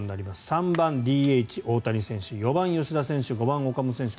３番ＤＨ、大谷選手４番、吉田選手５番、岡本選手